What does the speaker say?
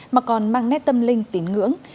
mà còn mang nét tâm linh tín ngưỡng